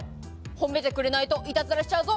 褒めてくれないといたずらしちゃうぞ。